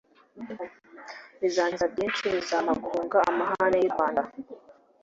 Bizankiza byinshiBizampa guhungaAmahane y’i Rwanda,